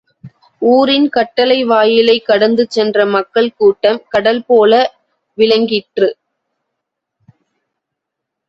ஊரின் கட்டளை வாயிலைக் கடந்து சென்ற மக்கள் கூட்டம் கடல்போல விளங்கிற்று.